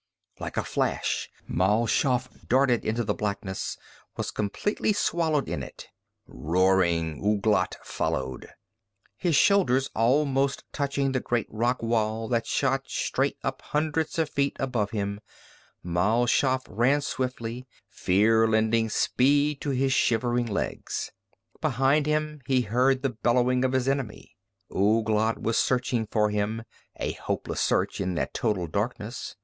Like a flash Mal Shaff darted into the blackness, was completely swallowed in it. Roaring, Ouglat followed. His shoulders almost touching the great rock wall that shot straight up hundreds of feet above him, Mal Shaff ran swiftly, fear lending speed to his shivering legs. Behind him he heard the bellowing of his enemy. Ouglat was searching for him, a hopeless search in that total darkness.